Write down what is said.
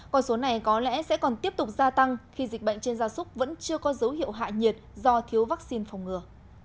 còn số này có lẽ sẽ còn tiếp tục gia tăng khi dịch bệnh trên gia súc vẫn chưa có dấu hiệu hạ nhiệt do thiếu vaccine phòng ngừa